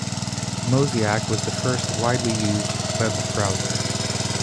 Mosaic was the first widely used web browser.